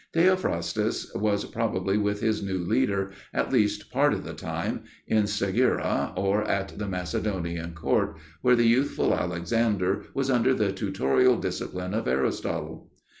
Theophrastus was probably with his new leader, at least part of the time, in Stagira or at the Macedonian court, where the youthful Alexander was under the tutorial discipline of Aristotle.